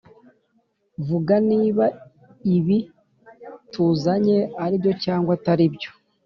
Vuga niba ibi tuzanye ari byo cyangwa atari byo